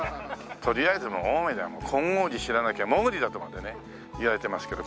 とりあえず青梅ではもう金剛寺知らなきゃ潜りだとまでね言われてますけど。